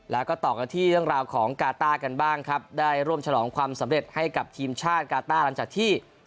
แล้วก็ต่อกันที่เรื่องราวของกาต้ากันบ้างครับได้ร่วมฉลองความสำเร็จให้กับทีมชาติกาต้าหลังจากที่